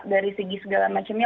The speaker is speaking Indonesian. dari segi segala macamnya